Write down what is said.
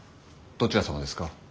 どちら様ですか？